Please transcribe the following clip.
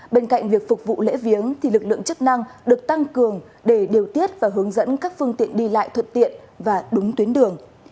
bên cạnh việc phục vụ lễ viếng thì lực lượng chức năng được tăng cường để điều tiết và hướng dẫn các phương tiện đi lại thuận tiện và đúng tuyến đường